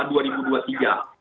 nah kemarin saya dengar dari bpjs